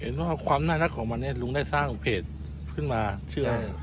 เห็นว่าความน่ารักของมันนี่รูปได้สร้างเพจขึ้นมาชื่อไร